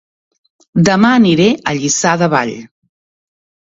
Dema aniré a Lliçà de Vall